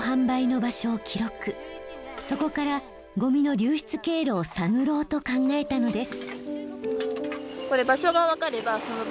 そこからゴミの流出経路を探ろうと考えたのです。